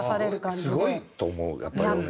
すごいと思うやっぱり。